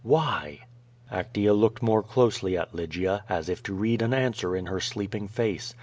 Why? 8o QUO VA/>/.S\ Actea looked more closely at Lygia, as if to read an an swer in her sleeping face.